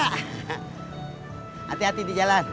hati hati di jalan